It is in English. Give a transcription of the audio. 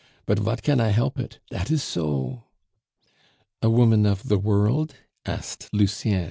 But vat can I help it! Dat is so." "A woman of the world?" asked Lucien.